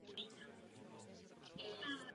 Úspěchy zaznamenala i v evropských zemích.